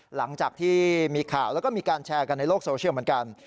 หลังจากที่มีข่าวแล้วก็มีการแชร์กันในโลกโซเชียลเหมือนกัน